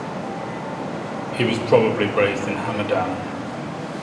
He was probably raised in Hamadan.